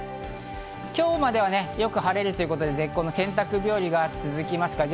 今日までは、よく晴れるということで絶好の洗濯日和が続きます。